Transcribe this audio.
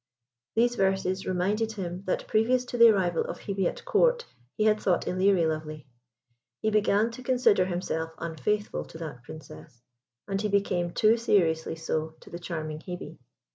These verses reminded him that previous to the arrival of Hebe at Court he had thought Ilerie lovely. He began to consider himself unfaithful to that Princess, and he became too seriously so to the charming Hebe.